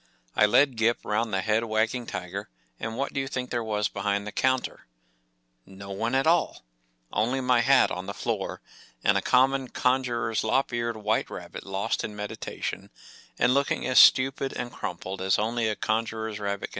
” 1 led Gip round the head wagging tiger, and what do you think there was behind the counter ? No one at all ! Only my hat on the floor* and a common con¬ jurer's lop eared white rabbit lost in medita¬ tion, and looking as stupid and crumpled as only a conjurer’s rabbit can do.